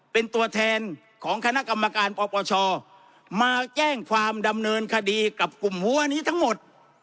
เป็นตัวแทนของคณะกรรมการปปชมาแจ้งความดำเนินคดีกับกลุ่มหัวนี้ทั้งหมด